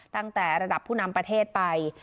ตั้งแต่ระดับผู้นำประเทศไป